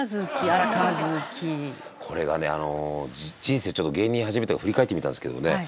あの人生ちょっと芸人始めてから振り返ってみたんですけどね